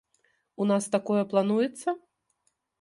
У нас такое плануецца?